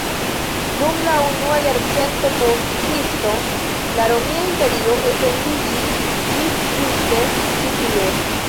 Dum la unua jarcento post Kristo la romia imperio etendiĝis ĝis ĝuste ĉi tie.